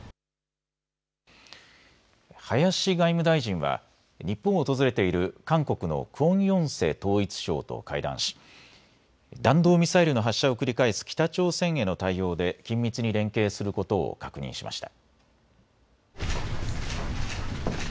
林外務大臣は日本を訪れている韓国のクォン・ヨンセ統一相と会談し、弾道ミサイルの発射を繰り返す北朝鮮への対応で緊密に連携することを確認しました。